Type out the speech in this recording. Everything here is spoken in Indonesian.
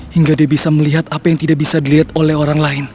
hingga dia bisa melihat apa yang tidak bisa dilihat oleh orang lain